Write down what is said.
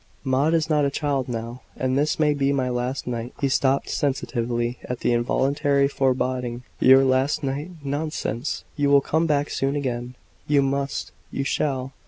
"Maud is not a child now; and this may be my last night " he stopped, sensitively, at the involuntary foreboding. "Your last night? Nonsense! you will come back soon again. You must you shall!"